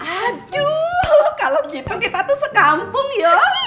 aduh kalau gitu kita tuh sekampung ya